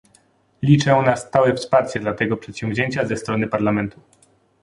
Liczę na stałe wsparcie dla tego przedsięwzięcia ze strony Parlamentu